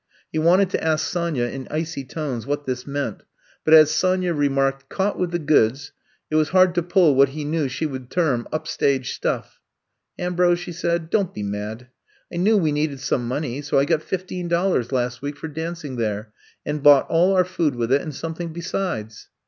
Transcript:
He wanted to ask Sonya in icy tones what this meant, but as Sonya remarked, Caught with the goods!" it was hard to pull what he knew she would term up stage stuff." Ambrose," she said, ''don't be mad. I knew we needed some money so I got fif teen dollars last week for dancing there, and bought all our food with it and some thing besides."